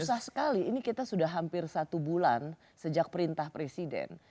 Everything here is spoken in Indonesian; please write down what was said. susah sekali ini kita sudah hampir satu bulan sejak perintah presiden